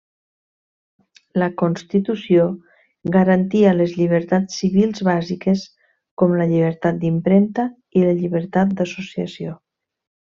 La Constitució garantia les llibertats civils bàsiques, com la llibertat d'impremta i la llibertat d'associació.